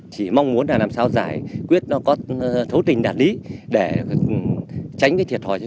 chỉ mong muốn là làm sao giải quyết nó có thấu tình đạt lý để tránh thiệt hỏi cho chúng tôi